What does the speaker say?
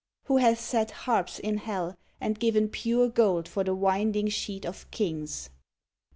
Who hath set harps in hell, and given pure gold for the winding sheet of kings; 23.